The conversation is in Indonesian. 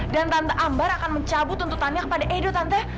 dan tante ambar akan mencabut tututannya kepada edo tante